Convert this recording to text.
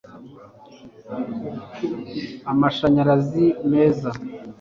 amashanyarazi meza